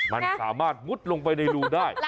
มันสามารถมุดลงไปในรูได้